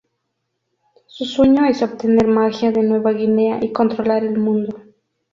Su sueño es obtener magia de Nueva Guinea y controlar el mundo.